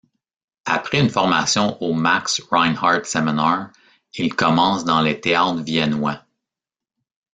Après une formation au Max Reinhardt Seminar, il commence dans les théâtres viennois.